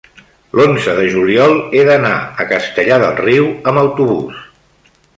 l'onze de juliol he d'anar a Castellar del Riu amb autobús.